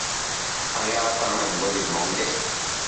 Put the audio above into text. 係啊，但係唔會聯網嘅